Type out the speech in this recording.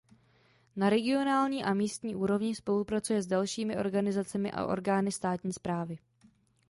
Na regionální a místní úrovni spolupracuje s dalšími organizacemi a orgány státní správy.